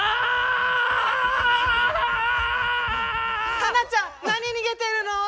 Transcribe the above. たなちゃん何逃げてるの？